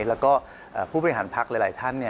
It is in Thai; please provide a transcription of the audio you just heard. แล้วก็ผู้บริหารพักหลายท่าน